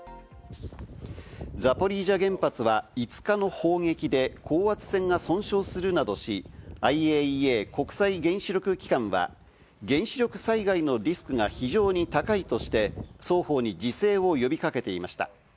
ザポリージャ原発は５日の砲撃で高圧線が損傷するなどし、ＩＡＥＡ＝国際原子力機関は原子力災害のリスクが非常に高いとして、双方に自制を呼びかけていました。